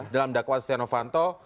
dalam dakwaan stiano fanto